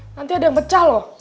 nanti ada yang pecah loh